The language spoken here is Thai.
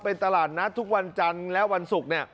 เป็นตลาดนัดทุกวันจันทร์และวันศุกร์เนี่ย